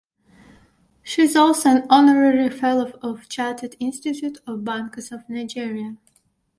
She is also an Honorary Fellow of the Chartered Institute of Bankers of Nigeria.